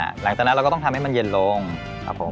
หลังจากนั้นเราก็ต้องทำให้มันเย็นลงครับผม